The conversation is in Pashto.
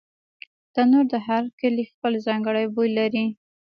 تنور د هر کلي خپل ځانګړی بوی لري